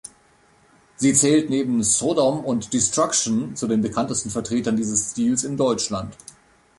Sie zählt neben Sodom und Destruction zu den bekanntesten Vertretern dieses Stils in Deutschland.